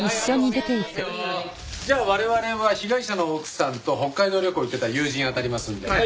じゃあ我々は被害者の奥さんと北海道旅行行ってた友人あたりますので。